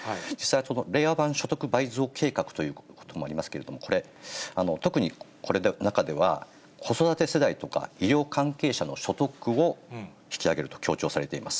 令和版所得倍増計画というところもありますけれども、これ、特にこの中では、子育て世代とか、医療関係者の所得を引き上げると強調されています。